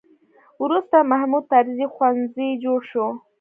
وروسته محمود طرزي ښوونځی جوړ شو.